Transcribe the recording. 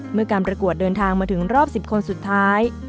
เมื่อการประกวดเดินทางมาถึงรอบ๑๐คนสุดท้าย